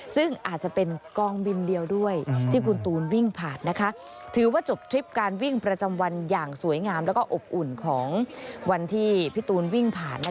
ซึ่งอาจจะเป็นกองบินเดียวด้วยที่คุณตูนวิ่งผ่านถือว่าจบทริปการวิ่งประจำวันอย่างสวยงามแล้วก็อบอุ่นของวันที่พี่ตูนวิ่งผ่าน